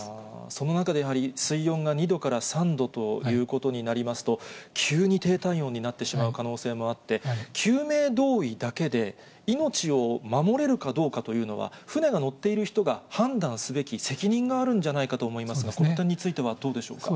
その中で、やはり、水温が２度から３度ということになりますと、急に低体温になってしまう可能性もあって、救命胴衣だけで、命を守れるかどうかというのは、船が乗っている人が判断すべき責任があるんじゃないかと思いますが、この点についてはどうでしょうか。